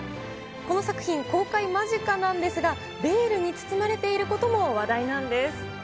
この作品、公開間近なんですが、ベールに包まれていることも話題なんです。